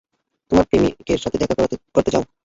তোমার প্রমিকের সাথে দেখা করতে চাও?